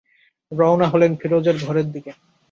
রওনা হলেন ফিরোজের ঘরের দিকে।